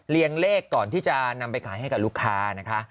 เลขเลขก่อนที่จะนำไปขายให้กับลูกค้านะคะ